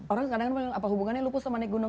orang kadang apa hubungannya lupus sama naik gunung